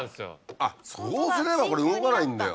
あっそうすればこれ動かないんだよ。